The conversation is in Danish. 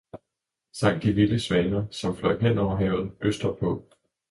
sang de vilde svaner, som fløj hen over havet, øster på.